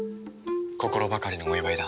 心ばかりのお祝いだ。